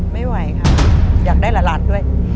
ไม่ไหวค่ะอยากได้หลานด้วย